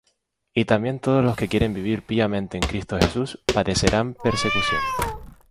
Y también todos los que quieren vivir píamente en Cristo Jesús, padecerán persecución.